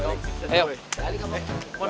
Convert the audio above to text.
amit ya be